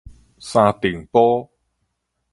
三重埔